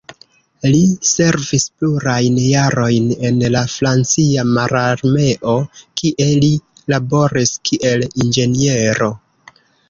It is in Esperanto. Li servis plurajn jarojn en la francia mararmeo, kie li laboris kiel inĝeniero.